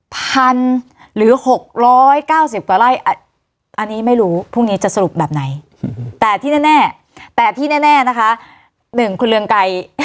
พันหรือ๖๙๐ไร่อ่ะอันนี้ไม่รู้พรุ่งนี้จะสรุปแบบไหนแต่ที่แน่นะคะ